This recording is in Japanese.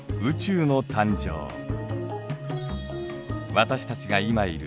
私たちが今いる